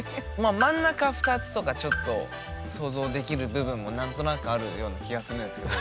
真ん中２つとかちょっと想像できる部分も何となくあるような気がするんですけど。